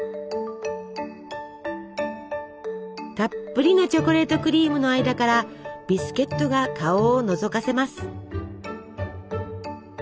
たっぷりのチョコレートクリームの間からビスケットが顔をのぞかせます。